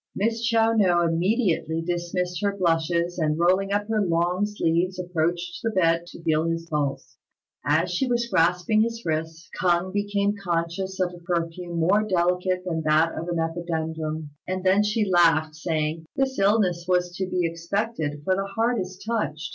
Miss Chiao no immediately dismissed her blushes, and rolling up her long sleeves approached the bed to feel his pulse. As she was grasping his wrist, K'ung became conscious of a perfume more delicate than that of the epidendrum; and then she laughed, saying, "This illness was to be expected; for the heart is touched.